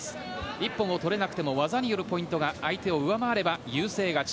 一本を取れなくても技によるポイントが相手を上回れば優勢勝ち。